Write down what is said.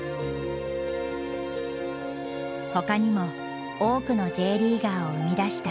ほかにも多くのＪリーガーを生み出したこのクラブ。